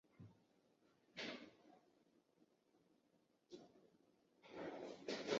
水溶液中电解质的浓度会影响到其他盐类的溶解度。